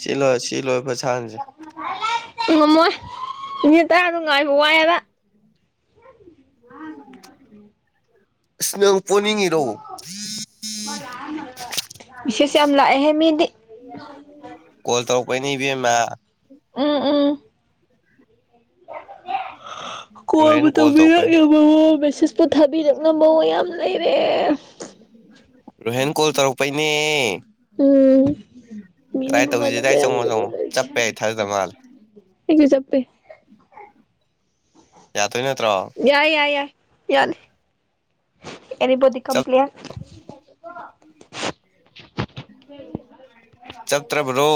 ꯁꯤ ꯂꯣꯏ ꯁꯤ ꯂꯣꯏ ꯐꯖꯥ ꯁꯟꯁꯤ ꯉꯝꯃꯣꯏ ꯃꯤ ꯇꯔꯥ ꯅꯨꯡ ꯉꯥꯏꯕ ꯋꯥꯏ ꯍꯥꯏꯕꯥ [unintelligible] ꯄꯣꯅꯤꯡꯉꯤꯔꯣ ꯄꯦꯁ ꯌꯥꯝ ꯂꯥꯛꯑꯦꯍꯦ ꯃꯤꯗꯤ ꯀꯣꯜ ꯇꯧꯔꯛꯄꯩꯅꯦ ꯏꯕꯦꯝꯃ ꯎꯝ ꯎꯝ ꯀꯣꯜꯕꯨ ꯔꯣꯍꯦꯟ ꯀꯣꯜ ꯇꯧꯔꯛꯄꯩꯅꯦ ꯇꯧꯕꯤꯔꯛꯅꯕ ꯃꯦꯁꯦꯖꯄꯨ ꯊꯥꯕꯤꯔꯛꯅꯕꯌꯥꯝ ꯂꯩꯔꯦ ꯔꯣꯍꯦꯟ ꯀꯣꯜ ꯇꯧꯔꯛꯄꯩꯅꯦ ꯎꯝ ꯀꯗꯥꯏ ꯃꯤꯅꯤꯃꯝ ꯃꯥ ꯇꯧꯁꯤꯒꯦ ꯀꯗꯥꯏ ꯆꯪꯉꯣ ꯆꯪꯉꯣ ꯆꯞꯄꯦ ꯑꯩ ꯊꯥꯖꯗꯕ ꯃꯥꯜꯂꯦ ꯌꯥꯝꯒꯤ ꯆꯞꯄꯦ ꯌꯥꯗꯣꯏ ꯅꯠꯇ꯭ꯔꯣ ꯌꯥꯏ ꯌꯥꯏ ꯌꯥꯏ ꯌꯥꯅꯤ ꯑꯦꯅꯤꯕꯣꯗꯤ ꯀꯝ ꯆꯞ ꯍꯤ ꯌꯔ ꯆꯞꯇ꯭ꯔꯕ ꯔꯣ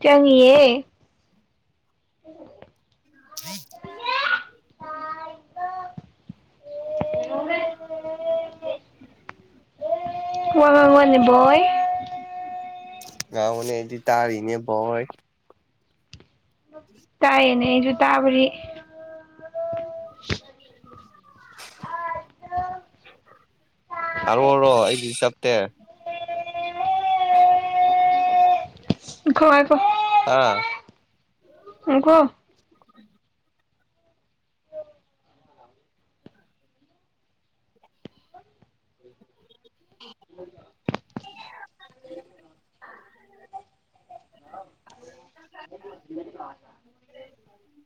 ꯆꯪꯉꯤꯌꯦ [unintelligible] ꯑꯦ ꯋꯥ ꯉꯡ ꯉꯛ ꯑꯣꯅꯦ ꯕꯣꯏ ꯉꯪ ꯉꯨꯅꯦ ꯑꯩꯗꯤ ꯇꯔꯤꯅꯦ ꯕꯣꯏ ꯇꯥꯏꯌꯦꯅꯦꯁꯨ ꯇꯥꯕꯔꯤ ꯇꯔꯣꯔꯣ ꯑꯩꯗꯤꯗꯤ ꯆꯞꯇꯦ ꯉꯥꯏꯈꯣ ꯉꯥꯏꯈꯣ ꯍꯥ ꯑꯣ ꯀꯣ [unintelligible] [inaudible] [unintelligible]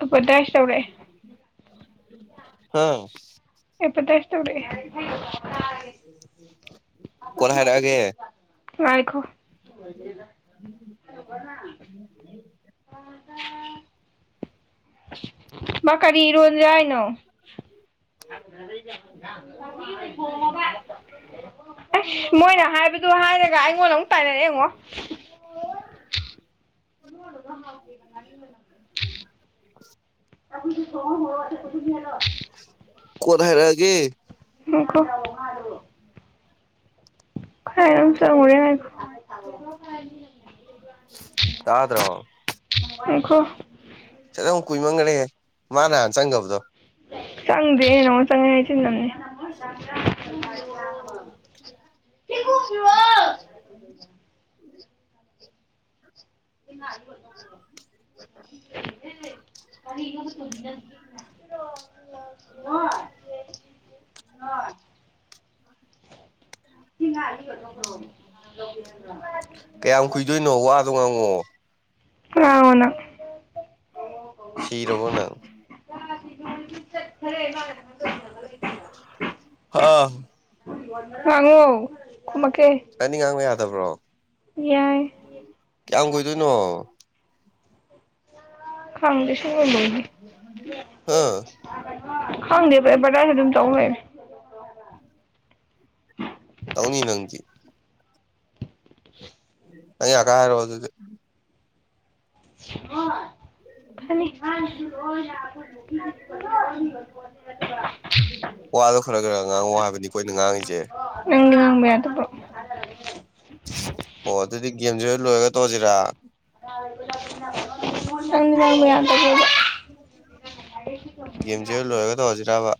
ꯑꯦꯄꯣꯇꯥꯏꯁ ꯇꯧꯔꯛꯑꯦ [inaudible] ꯎ ꯍꯥ ꯏꯄꯥꯇꯩꯥꯏꯁ ꯇꯔ ꯎꯝ ꯀꯟꯍ ꯍꯥꯏꯔꯛꯑꯒꯦ ꯋꯥꯥꯏꯈꯣ ꯀꯔꯤꯅꯣ [inaudible] ꯎ ꯃꯀꯥꯔꯤ ꯏꯔꯣꯣꯟ ꯌꯥꯏꯅ ꯑꯁ ꯃꯣꯏꯅ ꯍꯥꯏꯕꯗꯨ ꯍꯥꯏꯔꯒ ꯑꯩꯉꯣꯟꯗ ꯑꯃꯨꯛ ꯇꯥꯏꯅꯔ ꯌꯦꯡꯉꯣ ꯍꯨꯏꯇ [inaudible] ꯑꯩꯈꯣꯏꯁꯨ ꯁꯣꯍ ꯃꯣꯔꯃꯇꯦ ꯄꯨꯊꯕꯤ ꯌꯥꯅꯣ ꯀꯣꯊ ꯍꯥꯏꯔꯒꯦ ꯉꯏꯈꯣ ꯈꯥꯏꯅ ꯆ ꯃ ꯇꯥꯗ꯭ꯔꯣ ꯍꯥꯏꯈꯣ ꯑꯈꯣ ꯀꯨꯏꯃꯟꯒ꯭ꯔꯦ ꯃꯥꯅꯥ ꯍꯟ ꯆꯪꯒꯕꯗꯣ ꯆꯪꯗꯦ ꯅꯉꯣꯟ ꯆꯪꯉꯦ ꯍꯥꯏꯆꯤꯟ ꯅꯝꯅꯦ [unintelligible] ꯀꯦꯀꯨ [unintelligible] [unintelligible] [unintelligible] ꯀꯔꯤꯅꯣꯕ [unintelligible] [unintelligible] ꯀꯌꯥꯝ ꯀꯨꯏꯗꯣꯏꯅꯣ ꯋꯥꯗꯣ ꯉꯥꯡꯉꯣ ꯀꯅꯅꯣ ꯅꯪ ꯁꯤꯔꯥꯕꯣ ꯅꯪ [unintelligible] ꯆꯠꯗꯔꯦ ꯃꯅꯥ [unintelligible] ꯍꯥ ꯉꯡꯉꯣ ꯅꯪꯗꯤ ꯉꯡꯕ ꯌꯥ ꯗꯕ꯭ꯔꯣ? ꯌꯥꯏ ꯀ꯭ꯌꯝ ꯀꯨꯏꯗꯣꯏꯅꯣ ꯈꯥꯡꯗꯦ ꯁꯣꯛꯑꯝ ꯗꯧꯗꯤ ꯍꯥ [unintelligible] ꯈꯪꯗꯦ ꯑꯦꯕꯔꯇꯖ ꯑꯗꯨꯝ ꯇꯧꯂꯩ ꯇꯧꯅꯤ ꯅꯪꯗꯤ [inaudible] ꯅꯪ ꯌꯀꯥ ꯍꯥꯏꯔꯛꯑꯣ ꯑꯗꯨꯗꯤ [unintelligible] ꯈꯅꯤ ꯋꯥꯗꯣ ꯈꯔꯥ ꯈꯔꯥ ꯉꯥꯡꯉꯣ ꯍꯥꯏꯕꯅꯤꯀꯣ ꯑꯩꯅꯥ ꯉꯡꯉꯤꯁꯦ ꯃꯌꯥꯗꯕ ꯑꯣ ꯑꯗꯨꯗꯤ ꯒꯦꯝꯁꯤ ꯍꯦꯛ ꯂꯣꯏꯔꯒ ꯇꯣꯛꯑꯥꯁꯤꯔꯥ [unintelligible] ꯃꯌꯝ ꯇꯧꯗꯣꯏꯕ ꯒꯦꯝꯁꯦ ꯂꯣꯏꯔꯒ ꯇꯧꯔꯁꯤꯔꯕꯥ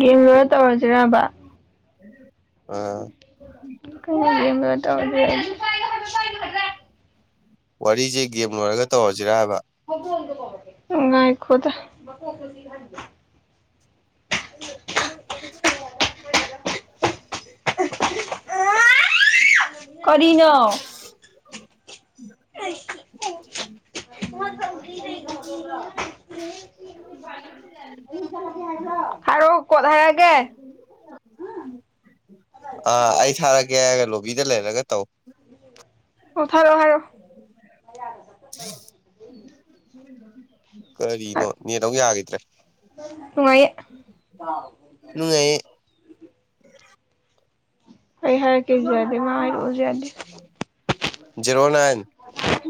ꯒꯦꯝ ꯂꯣꯏꯔ ꯇꯧꯔꯁꯤꯔꯥꯕ ꯀꯩꯅ ꯑꯥ [unintelligible] [unintelligible] ꯅꯪ ꯑꯩꯅ ꯑꯗꯨ ꯄꯥꯏꯌꯣ ꯄꯥꯏꯅꯨ ꯍꯏꯕꯗꯥꯏ ꯋꯥꯔꯤꯁꯦ ꯒꯦꯝ ꯂꯣꯏꯔꯒ ꯇꯧꯔꯁꯤꯔꯥ ꯍꯥꯏꯕ ꯍꯧꯗꯣꯡꯗꯣ ꯀꯩꯔꯛꯀꯦ ꯉꯏꯈꯣꯗꯥ ꯃꯀꯣꯛꯇꯣ ꯆꯤꯛꯍꯟꯒꯦ [unintelligible] ꯀꯔꯤꯅꯣ [unintelligible] ꯑꯌꯨꯛ ꯆꯠꯂꯒꯦ ꯍꯥꯏꯕ꯭ꯔꯣ ꯍꯥꯏꯔꯛ ꯑꯣ ꯀꯣꯠ ꯍꯥꯏꯔꯛꯂꯒꯦ ꯑꯥ ꯑꯩ ꯊꯥꯔꯛꯀꯦ ꯍꯥꯏꯒ ꯂꯣꯕꯤꯗ ꯂꯩꯍꯂꯒ ꯇꯧ ꯎꯊꯔꯣ ꯍꯥꯏꯔꯣ ꯀꯔꯤꯅꯣ ꯅꯦꯠ ꯑꯃꯨꯛ ꯌꯥꯈꯤꯗ꯭ꯔꯦ ꯅꯨꯡꯉꯥꯏꯦ ꯅꯨꯉꯥꯏ ꯌꯦ ꯑꯩꯩ ꯍꯥꯏꯔꯛꯀꯦꯁꯨ ꯌꯥꯗꯦ ꯃꯥ ꯑꯩ [unintelligible] ꯌꯥꯗꯦ ꯖꯤꯔꯣ ꯅꯥꯏꯜ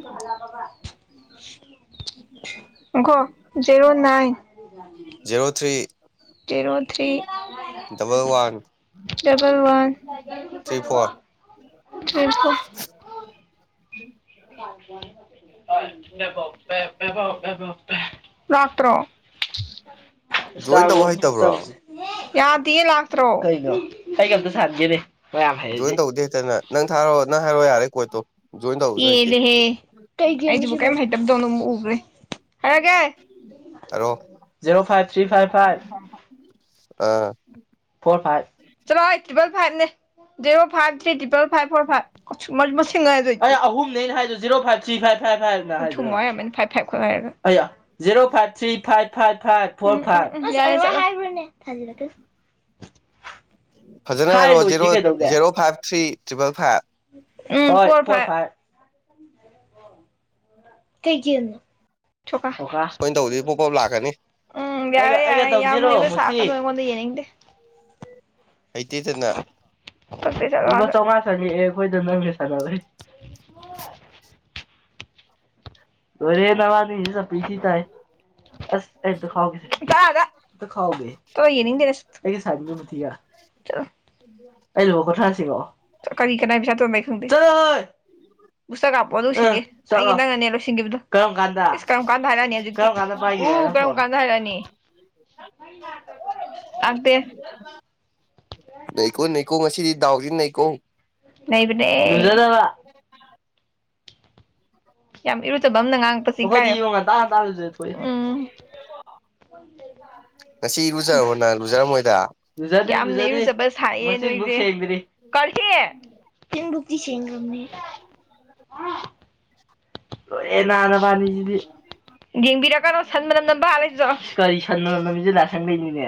ꯍꯂꯥ ꯄꯕꯥ [unintelligible] ꯀꯣ ꯖꯦꯔꯣ ꯏꯟ zero three zero three double one double one three four three three ꯎꯝꯨ [unintelligible] ꯐꯅꯤ ꯑꯥꯜꯁ [unintelligible] ꯂꯥꯛꯇ꯭ꯔꯣ ꯖꯣꯏꯟ ꯇꯧꯕ ꯍꯩꯇꯕ꯭ꯔꯣ ꯌꯥꯗ ꯂꯥꯛꯇ꯭ꯔꯣꯒ ꯀꯥꯏ ꯀꯝꯗ ꯁꯥꯔꯒꯦꯅꯦ ꯖꯣꯏꯟ ꯇꯧꯕꯗꯤ ꯍꯦꯛꯇꯅ ꯅꯪ ꯊꯥꯔꯑꯣ ꯅ ꯍꯥꯏꯔꯣꯏ ꯌꯥꯔꯦ ꯀꯣꯏ ꯇꯣ ꯄꯦꯂꯦꯍꯦ [unintelligible] [unintelligible] ꯍꯥꯏꯔꯒꯦ ꯍꯥꯏꯔꯛꯑꯣ zero five three five five ꯑꯥ ꯐꯣꯔ ꯐꯥꯏꯞ ꯆꯂꯣ ꯍꯣꯏ triple ꯐꯥꯏꯞꯅꯦ [unintelligible] five three triple five four five ꯃ [unintelligible] ꯑꯍꯨꯝꯅꯦꯩꯅ ꯍꯥꯏꯔ zero five three five five zero five three five five five four five [unintelligible] ꯐꯖꯅ ꯍꯥꯏ ꯍꯥꯏꯔꯣꯛꯑꯣ ꯖꯦꯔꯣ ꯂꯣꯏꯗ꯭ꯔꯤ ꯀꯩꯗꯧꯒꯦ zero five three triple five um ꯍ ꯐꯣꯔ ꯐꯥꯏꯞ ꯀꯩ ꯀꯦꯅꯣ ꯑꯩꯈꯣꯏꯅ ꯇꯧꯕꯗꯤ ꯄꯣꯞ ꯄꯣꯞ ꯂꯥꯛꯀꯅꯤ ꯎꯝ ꯌꯥ [unintelligible] ꯉꯣꯟꯗ ꯌꯦꯅꯤꯡꯗꯦ ꯍꯩꯇꯤ ꯍꯩꯇꯅ [unintelligible] ꯆꯝꯉꯥ ꯆꯉꯛ ꯑꯦ [unintelligible] [inaudible] ꯂꯣꯔꯦ ꯅꯋꯥꯅꯤ [unintelligible] ꯑꯁ ꯑꯩ ꯑꯝꯇ ꯈꯥꯎꯒꯦꯁꯦ ꯆꯂꯑꯥꯗ ꯑꯝꯇ ꯈꯥꯎꯒꯦ ꯆꯣ ꯌꯦꯡꯅꯤꯡꯗꯦ ꯅꯁꯛ ꯑꯩꯒ ꯁꯥꯟꯅ ꯇꯤꯌꯥ ꯆꯠꯂꯣ ꯑꯩ ꯂꯣ ꯀꯊꯔ꯭ ꯔꯛ ꯑꯣ ꯀꯔꯤ ꯀꯅꯥꯏ ꯄꯩꯁꯥ ꯇꯣꯟꯕ ꯑꯩ ꯈꯪꯗꯦ ꯆꯂꯣꯍꯦ ꯕꯨꯁꯇ ꯀꯥꯞꯄꯣ ꯑꯗꯨ ꯁꯤꯡꯒꯦ ꯑ ꯆꯂꯣ ꯑꯩ ꯅꯪꯅꯅꯦ ꯁꯤꯡꯒꯤꯕꯗꯨ ꯀꯔꯝ ꯀꯥꯟꯗ ꯏꯁ ꯀꯔꯝ ꯀꯥꯟꯗ ꯍꯥꯏꯔꯛꯑꯅꯤ ꯍꯖꯤꯛ ꯀꯔꯝ ꯀꯥꯟꯗ ꯄꯥꯏꯒꯤꯕ ꯎ ꯀꯔꯝ ꯀꯟꯗ ꯍꯥꯏꯔꯛꯑꯅꯤ ꯃꯩ ꯂꯛꯇꯕꯔꯣ ꯂꯥꯛꯇꯦ ꯅꯩꯀꯣ ꯅꯩꯀꯣ ꯉꯁꯤꯗꯤ ꯗꯥꯎꯁꯤ ꯅꯩꯀꯣ ꯅꯩꯕꯅꯦ ꯂꯨꯖꯗꯕ ꯌꯥꯝ ꯏꯔꯨꯖꯕ ꯑꯝꯅ ꯉꯥꯡꯉꯛꯄꯁꯤ ꯏꯀꯥꯏ ꯑꯈꯣꯏꯗꯤ ꯏꯕꯣ ꯉꯟꯇꯥ- ꯉꯟꯇꯥ ꯂꯨꯖꯊꯣꯛꯏ ꯎꯝ ꯂꯨꯖꯔꯕꯣ ꯅꯪ ꯂꯨꯖ ꯇꯝ ꯃꯣꯏꯗ ꯂꯨꯖꯗꯦ ꯂꯨꯖꯗꯦ ꯌꯥꯝꯅ ꯏꯔꯨꯖꯕ ꯁꯥꯔꯛꯑꯦ ꯅꯣꯏꯖꯦ ꯃꯆꯤꯟꯕꯥꯎ ꯁꯦꯡꯗꯔ꯭ꯤ ꯀꯔꯤ ꯆꯤꯟꯕꯨꯛꯇꯤ ꯁꯦꯡꯒꯔ꯭ ꯝꯅꯦ ꯂꯣꯔꯦꯍꯦ ꯅꯥ ꯅꯕꯅꯤꯖꯤꯗꯤ ꯌꯦꯡꯕꯤꯔꯛ ꯀꯅꯣ ꯁꯟ ꯃꯅꯝ ꯅꯝꯕ ꯑꯥ ꯂꯩꯆꯨ ꯆꯠꯂꯣ ꯀꯔꯤ ꯁꯟ ꯃꯅꯝ ꯅꯝꯃꯤꯖꯦ ꯂꯥꯁꯪꯗꯩꯅꯤꯅꯦ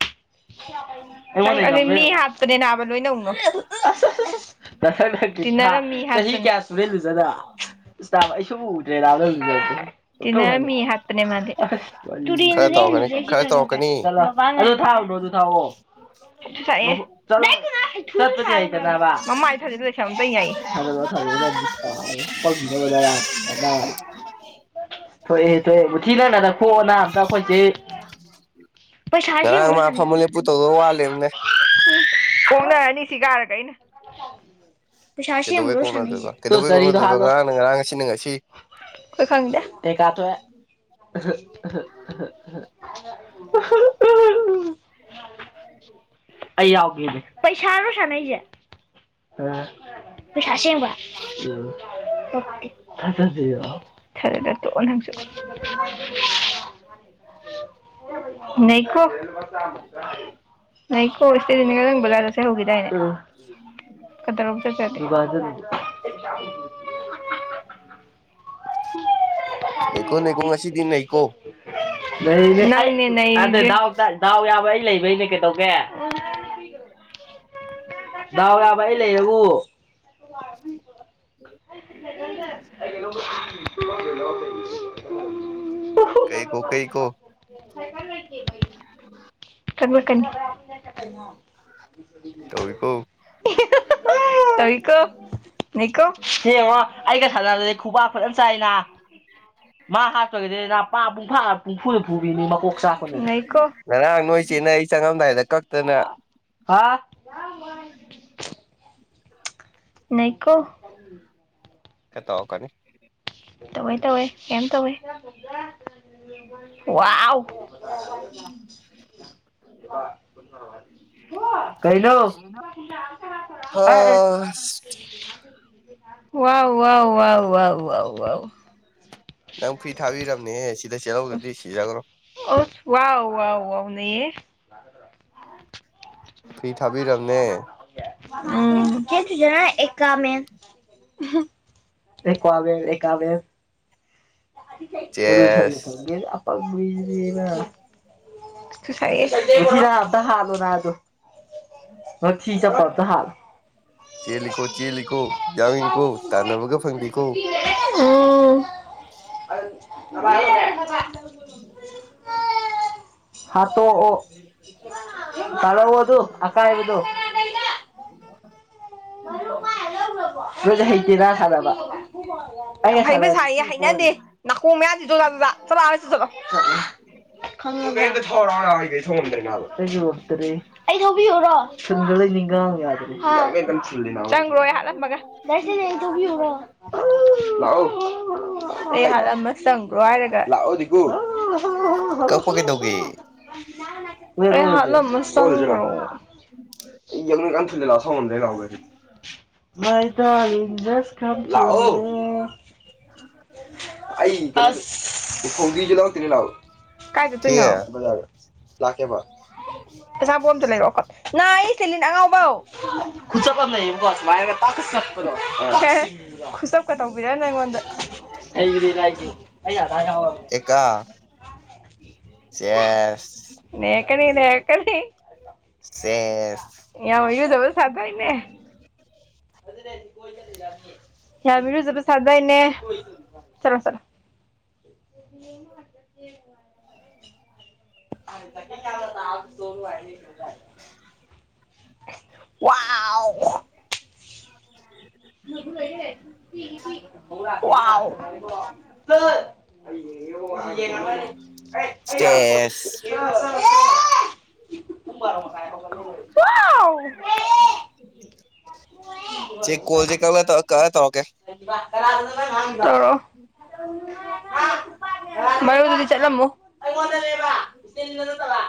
[unintelligible] ꯃꯤ ꯍꯥꯞꯄꯅꯦ ꯅꯥꯕ ꯂꯣꯏꯅꯧꯅꯨ ꯇꯤꯟꯅꯧꯅꯨ ꯃꯤ ꯍꯥꯠꯄꯅꯦ ꯆꯍꯤ ꯀꯌꯥ ꯁꯨꯔꯦ ꯂꯨꯖꯗꯕ ꯅꯥꯕ ꯑꯩ ꯁꯨꯡꯎ ꯎꯗꯔ꯭ꯤ ꯅꯥꯕ ꯅꯪ ꯂꯨꯖꯔꯛꯄ ꯇꯤꯟꯅꯔꯨꯅꯨ ꯃꯤ ꯍꯥꯠꯄꯅꯦ ꯃꯥꯗꯤ ꯑꯁ ꯋꯥꯔꯤ ꯈꯔ ꯇꯨꯔꯦꯟꯗꯅꯦ ꯑꯩ ꯇꯧꯔꯛꯀꯅꯤ ꯂꯨꯖꯩꯁꯦ ꯈꯔ ꯇꯧꯔꯛꯀꯅꯤ ꯈꯪꯉꯕꯔ꯭ [unintelligible] ꯊꯥꯎꯑꯣ [unintelligible] ꯃꯃꯥꯏ ꯊꯥꯖꯤꯂꯨ ꯂꯩꯁ ꯑꯝꯇ ꯌꯥꯏꯑꯦ ꯊꯥꯖꯜꯂꯨꯔ ꯊꯥ [unintelligible] ꯊꯣꯔꯛꯑꯦ ꯊꯣꯛꯑꯦ ꯊꯤꯅꯪꯅ ꯅꯈꯣꯛꯑꯅ ꯑꯝꯇ ꯑꯩꯈꯣꯏꯆꯦ ꯄꯩꯁꯥꯁꯤ ꯃꯨꯛ ꯉꯔꯥꯡ ꯃꯥ ꯐꯝꯃꯨ ꯂꯣꯏꯁꯟꯅꯩꯖꯦ ꯂꯦꯞꯄꯨ ꯇꯧꯗꯧ ꯋꯥꯠꯂꯦꯕꯅꯦ [unintelligible] ꯀꯣꯛꯅꯔꯅꯤ ꯁꯤꯒꯔꯒ ꯑꯩꯅ [unintelligible] ꯄꯩꯁꯥ ꯀꯩꯗꯧꯕꯩ ꯑꯁꯦꯡꯕꯔꯣ ꯁꯥꯟꯅꯩꯖꯦ ꯀꯣꯛꯅꯗꯣꯏꯕ ꯇꯨ ꯀꯩꯗꯧꯕꯩ ꯆꯔꯤꯗ ꯀꯣꯛꯅꯗꯣꯏꯕ ꯍꯥꯠꯂꯣ ꯉꯔꯥꯡꯅ ꯉꯔꯥꯡ ꯉꯁꯤꯅ ꯉꯁꯤ ꯈꯣꯏ ꯈꯪꯗꯦ ꯑꯦꯀꯥ ꯊꯣꯛꯑꯦ ꯑꯍꯥ ꯑꯍꯥ ꯑꯍꯥ ꯑꯍꯥ [unintelligible] ꯑꯩ ꯌꯥꯎꯒꯦꯅꯦ ꯄꯩꯁꯥꯔꯣ ꯁꯥꯅꯩꯖꯦ ꯔꯥ ꯄꯩꯁꯥ ꯑꯁꯦꯡꯕ ꯎꯝ ꯊꯥꯖꯗꯔ꯭ꯤꯔꯣ ꯊꯥꯖꯗꯔ꯭ ꯇꯣꯛ ꯑꯣ ꯅꯪꯁꯨ [inaudible] ꯅꯩꯈꯣ ꯉꯥꯏꯈꯣ ꯏꯁꯇꯦꯂꯤꯟꯅ ꯉꯔꯥꯡ ꯕꯖꯥꯔ ꯆꯠꯁꯦ ꯍꯧꯒꯤꯗꯥꯏꯅꯦ ꯀꯗꯧꯔꯕ ꯆꯠꯇꯔ꯭ ꯗꯤ ꯗꯨꯀꯥꯟ ꯆꯠꯂꯤ ꯅꯩꯀꯣ ꯅꯩꯀꯣ ꯉꯁꯤꯗꯤ ꯅꯩꯀꯣ [unintelligible] ꯗꯥꯎ ꯌꯥꯕ ꯑꯩ ꯂꯩꯕꯩꯅꯤ ꯀꯩꯗꯧꯒꯦ ꯗꯥꯎ ꯌꯥꯕ ꯑꯩ ꯂꯩꯔꯎ [inaudible] ꯎ ꯍꯨꯝ ꯀꯩ ꯀꯣ ꯀꯩ ꯀꯣ [inaudible] ꯈꯟꯕ ꯀꯅꯤ ꯇꯧꯋꯤꯀꯣ [unintelligible] ꯇꯧꯏꯀꯣ ꯅꯩꯀꯣ ꯁꯤ ꯌꯦꯡꯉꯣ ꯑꯩꯒ ꯁꯥꯟꯅꯕꯗꯗꯤ ꯈꯨꯕꯥꯛ ꯐꯖꯟ ꯆꯥꯏꯅ ꯃꯥ ꯍꯥꯞꯄꯒꯤꯗꯅ ꯄ ꯄꯨꯡ ꯐ ꯄꯨꯡ ꯐꯨ ꯄꯨꯕꯤꯗꯤ ꯃꯀꯣꯛ ꯆꯥꯛꯄꯅꯤ ꯎꯡꯑꯩ- ꯉꯔꯥꯡ ꯅꯣꯏ ꯆꯦꯅ ꯑꯩ ꯆꯪꯉꯝꯗꯥꯏꯗ ꯀꯛꯇꯅ ꯍꯥꯥ ꯅꯩ ꯀꯣ ꯇꯧꯔꯛꯀꯅꯤ ꯇꯧꯋꯦ ꯇꯧꯋꯦ ꯀꯩꯏꯝ ꯇꯧꯋꯦ ꯋꯥꯎꯎ ꯂꯧꯁꯤꯟꯕ ꯉꯝꯗꯕ ꯂꯧꯁꯤꯟꯕ ꯉꯝꯗꯕ ꯏꯕꯨꯡꯉꯣ ꯀꯩꯩꯅꯣ ꯑꯥꯏ ꯑꯩ ꯍꯁ ꯋꯥꯎ ꯋꯥꯎ ꯋꯥꯎ ꯋꯥꯎ ꯋꯥꯎ ꯋꯥꯎ ꯅꯪ ꯐ꯭ꯔꯤ ꯊꯥꯕꯤꯔꯕꯅꯤꯍꯦ ꯁꯤ- ꯗ ꯆꯦꯜꯍꯧꯗ꯭ꯔꯗꯤ ꯁꯤꯖꯒ꯭ꯔꯣ ꯑꯁ ꯋꯥꯎ ꯋꯥꯎ ꯋꯥꯎ ꯅꯩꯌꯦ ꯐ꯭ꯔꯤ ꯊꯥꯕꯤꯔꯝꯅꯦ ꯎꯝ ꯆꯦꯟꯈꯤꯒꯦꯍꯥꯏ ꯑꯦꯀꯥꯃꯦꯟ ꯎꯍꯨꯝ ꯑꯦꯀ꯭ꯋꯥꯃꯦꯟ ꯑꯦꯀꯥꯃꯦꯟ ꯑꯗꯨꯒꯤ ꯁꯔꯨꯛ ꯆꯦꯁ ꯐꯪꯗꯦ ꯌꯥꯝ [unintelligible] ꯍꯥꯠꯂꯣ ꯅꯥꯕ ꯑꯗꯣ ꯉꯛꯊꯤ ꯆꯞꯄ ꯑꯝꯇꯥ ꯍꯥꯠꯂꯣ ꯆꯦꯜꯂꯤꯀꯣ ꯆꯦꯜꯂꯤꯀꯣ ꯌꯥꯡꯉꯤꯀꯣ ꯇꯥꯟꯅꯕꯒ ꯐꯪꯗꯦ ꯀꯣ ꯎꯝ [unintelligible] [inaudible] ꯂꯧꯁꯤꯟꯕ ꯉꯝꯗꯕ ꯍꯥꯠꯇꯣꯛꯑꯣ ꯇꯥꯜꯂꯛꯑꯣ ꯑꯗꯨ ꯑꯀꯥꯏꯕꯗꯨ ꯃꯔꯨ ꯃꯥꯅ ꯂꯧꯒ꯭ꯔꯕꯣ ꯅꯣꯏꯖꯦ ꯍꯩꯇꯦꯗ ꯁꯥꯟꯅꯕ ꯑꯩ ꯍꯩꯕ ꯁꯥꯏꯌꯦ ꯍꯩꯅꯗꯦ ꯅꯥꯀꯣꯡ ꯃꯌꯥꯖꯤ ꯖꯨꯖꯥ ꯖꯨꯖꯥ ꯆꯠꯂꯣ ꯑꯥ ꯂꯩꯔꯨꯆꯣ ꯆꯠꯂꯣ ꯈꯪꯉꯕ꯭ꯔꯥ ꯒꯥꯔꯤ ꯑꯝꯇꯥ ꯊꯧꯔꯨ ꯂꯥꯎ ꯑꯩ ꯒꯥꯔꯤ ꯊꯧ ꯉꯝꯗ꯭ꯔꯦ ꯅꯥꯕ ꯑꯩꯖꯨ ꯉꯝꯗ꯭ꯔꯦ ꯑꯩ ꯊꯧꯕꯤꯌꯨꯔꯣ ꯊꯨꯟꯒ ꯂꯣꯏ ꯅꯤꯡꯒꯥꯡ ꯌꯥꯗ꯭ꯔꯦ ꯍꯥ - ꯐꯨꯜꯂꯤ ꯅꯥꯕ ꯆꯪꯒ꯭ꯔꯣ ꯑꯩ ꯍꯥꯠꯂꯝꯃꯒ ꯗꯥ ꯏꯁꯇꯦꯂꯤꯟ ꯑꯩ ꯊꯧꯕꯤꯌꯨꯔꯣ ꯂꯥꯛꯑꯣ ꯑꯩ ꯍꯥꯠꯂꯝꯃ ꯆꯪꯒ꯭ꯔꯣ ꯍꯥꯏꯔꯒ ꯂꯥꯛꯑꯣ ꯗꯤꯡꯀꯨ ꯂꯧꯁꯤꯟꯕ ꯀꯛꯄ ꯀꯩꯗꯧꯒꯦ ꯉꯝꯗꯕ ꯅꯣꯏ ꯑꯩ ꯍꯥꯠꯂꯝꯃ ꯆꯪꯒ꯭ꯔꯣ ꯑꯩ ꯌꯥꯡꯂꯦꯟ ꯀꯅꯥꯝ ꯊꯤꯜꯂꯂꯥꯎ ꯊꯧ ꯉꯝꯗ꯭ꯔꯦ ꯂꯥꯎ ꯒꯥꯔꯤ ꯃꯥꯏ ꯗꯥꯁꯤꯡ ꯖ ꯀꯝ ꯇꯨ ꯃꯤ ꯑꯩ ꯀꯩꯅꯣꯗꯨ ꯑꯁꯁ ꯐꯧꯗꯤꯖꯨ ꯂꯧꯔꯛꯇꯣꯏꯅꯤ ꯂꯥꯎ [unintelligible] ꯀꯥꯏ ꯊꯦ ꯆꯠꯇꯣꯏꯅꯣ ꯕꯖꯥꯔꯗ ꯂꯥꯛꯀꯦꯕ ꯑꯆꯥꯄꯣꯠ ꯑꯝꯇꯥ ꯂꯩꯔꯛꯑꯣ ꯀꯞ ꯅꯥꯏꯌꯦ ꯏꯁꯇꯦꯂꯤꯟ ꯑꯉꯥꯎꯕꯧ ꯈꯨꯆꯞ ꯄ ꯑꯝ ꯂꯩꯕꯅꯤꯀꯣ ꯁꯨꯃꯥꯏꯅꯒ ꯇꯥꯛꯀꯥ ꯆꯞꯄꯗꯣ ꯆꯤꯡꯕꯗꯣ ꯑꯣꯈꯦ ꯈꯨꯆꯞꯀ ꯇꯧꯕꯤꯔꯅꯨ ꯑꯩꯉꯣꯟꯗꯥ ꯍꯩꯕꯅꯤ ꯅꯥ ꯑꯩꯖꯨ ꯑꯩ ꯑꯗꯥꯔ ꯌꯥꯎꯔꯕꯅꯤ ꯑꯦꯀꯥ ꯆꯦꯁ ꯅꯦꯛꯁ [unintelligible] ꯀꯔꯤꯅꯦ ꯀꯔꯤ ꯆꯦꯁ [unintelligible] [inaudible] ꯌꯥꯝꯏꯔꯨꯖꯕ ꯁꯥꯗꯥꯏꯅꯦ ꯆꯂꯣ ꯆꯠꯂꯣ [unintelligible] [inaudible] [unintelligible] [inaudible] ꯎ [unintelligible] ꯆꯦꯁ [unintelligible] ꯆꯦ ꯀꯪꯜ ꯁꯦ [unintelligible] [inaudible] [unintelligible] ꯃꯔꯨꯗꯨꯗꯤ ꯆꯠꯂꯝꯃꯨ ꯑꯩꯉꯣꯟꯗ ꯅꯦꯕ [unintelligible] ꯅꯟꯇꯕ